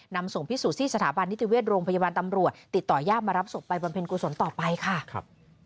นำส่งพิสูจน์ที่สถาบันนิติเวชโรงพยาบาลตำรวจติดต่อยากมารับศพไปบำเพ็ญกุศลต่อไปค่ะครับ